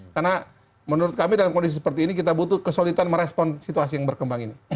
karena menurut kami dalam kondisi seperti ini kita butuh kesulitan merespon situasi yang berkembang ini